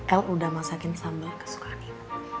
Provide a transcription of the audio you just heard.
el udah masakin sambal kesukaan